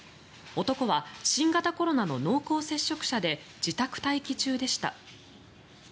男は新型コロナの濃厚接触者で自宅待機中でした。